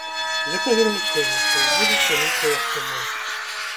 Гэта вельмі цэніцца, і будзе цаніцца яшчэ больш.